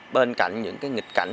bên cạnh những cái nghịch cảnh